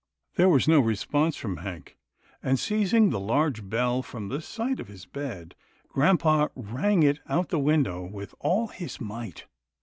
There was no response from Hank, and, seiz ing the large bell from the side of his bed, grampa rang it out the window with all his might.